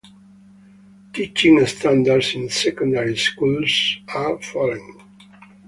Teaching standards in secondary schools are falling.